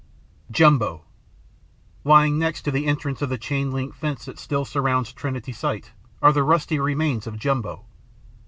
JUMBO Lying next to the entrance of the chain link fence that still surrounds Trinity Site are the rusty remains of Jumbo.